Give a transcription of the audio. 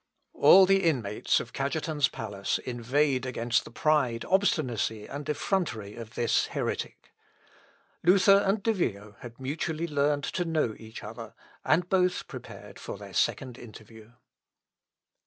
All the inmates of Cajetan's palace inveighed against the pride, obstinacy, and effrontery of this heretic. Luther and De Vio had mutually learned to know each other, and both prepared for their second interview.